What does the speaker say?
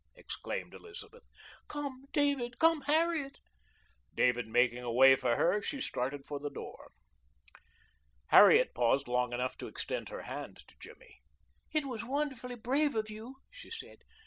exclaimed Elizabeth. "Come, David! Come, Harriet!" David making a way for her, she started for the door. Harriet paused long enough to extend her hand to Jimmy. "It was wonderfully brave of you," she said.